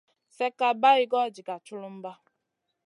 Slèkka bày goyo diga culumba.